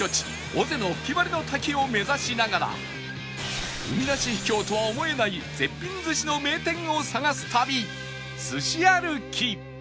尾瀬の吹割の滝を目指しながら海なし秘境とは思えない絶品寿司の名店を探す旅すし歩き